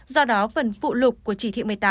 do đó phần phụ lục của chỉ thị một mươi tám